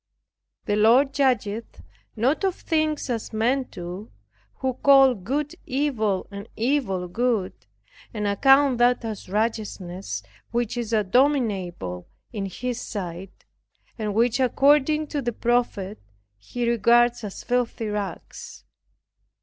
The Lord judgeth not of things as men do, who call good evil and evil good, and account that as righteousness which is abominable in His sight, and which according to the prophet He regards as filthy rags.